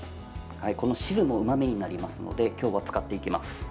この汁もうまみになりますので今日は使っていきます。